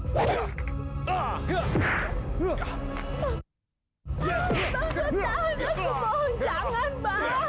bang sutan aku mohon jangan bang